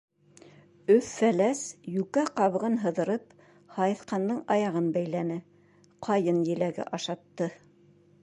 Өф-Фәләс, йүкә ҡабығын һыҙырып, һайыҫҡандың аяғын бәйләне, ҡайын еләге ашатты.